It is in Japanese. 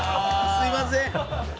すいません！